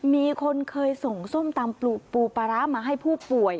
มีคนเคยส่งส้มตำปูปลาร้ามาให้ผู้ป่วย